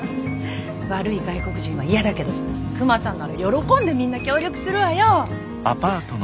悪い外国人は嫌だけどクマさんなら喜んでみんな協力するわよ！